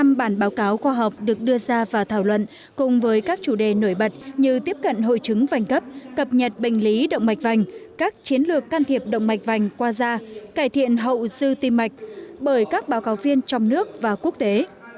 hầu hết các lĩnh vực trong khoa học được đưa ra và thảo luận cùng với các chủ đề nổi bật như tiếp cận hội chứng vành cấp cập nhật bệnh lý động mạch vành các chiến lược can thiệp động mạch vành qua gia cải thiện hậu sư tiêm mạch bởi các báo cáo viên trong nước và quốc tế